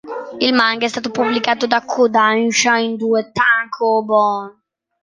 Il manga è stato pubblicato da Kōdansha in due "tankōbon".